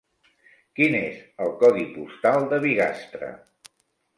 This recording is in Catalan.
Quin és el codi postal de Bigastre?